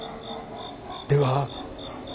では。